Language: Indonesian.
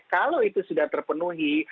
kalau itu sudah terpenuhi